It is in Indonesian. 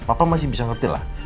papa masih bisa ngerti lah